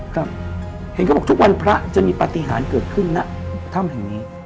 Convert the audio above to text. ครับเห็นเขาบอกทุกวันพระจะมีปฏิหารเกิดขึ้นณถ้ำแห่งนี้